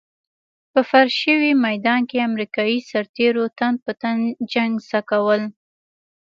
په فرش شوي ميدان کې امريکايي سرتېرو تن په تن جنګ زده کول.